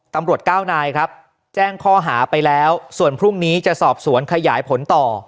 ตำรวจเก้านายครับแจ้งข้อหาไปแล้วส่วนพรุ่งนี้จะสอบสวนขยายผลต่อ